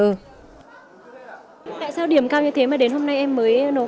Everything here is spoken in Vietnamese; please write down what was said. tại sao điểm cao như thế mà đến hôm nay em mới nộp